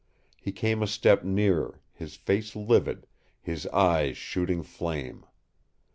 He came a step nearer, his face livid, his eyes shooting flame.